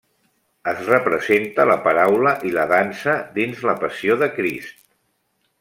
Es representa la paraula i la dansa dins la passió de Crist.